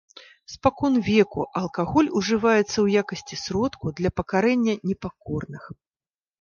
Спакон веку алкаголь ужываецца ў якасці сродку для пакарэння непакорных.